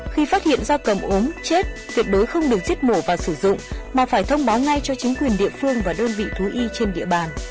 khi phát hiện da cầm ốm chết tuyệt đối không được giết mổ và sử dụng mà phải thông báo ngay cho chính quyền địa phương và đơn vị thú y trên địa bàn